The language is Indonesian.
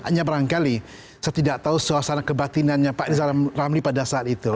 hanya barangkali setidak tahu suasana kebatinannya pak riza ramli pada saat itu